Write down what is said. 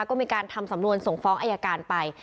ก็มีการทำสำนวนส่งฟ้องอายการไป